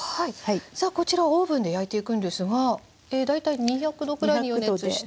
さあこちらオーブンで焼いていくんですが大体２００℃ぐらいに予熱して。